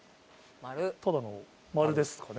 ただの丸ですかね？